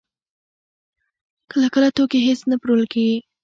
کله کله توکي هېڅ نه پلورل کېږي